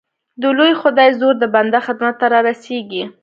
د لوی خدای زور د بنده خدمت ته را رسېږي.